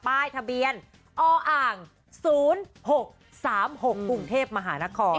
ป้ายทะเบียนออ่าง๐๖๓๖กรุงเทพมหานคร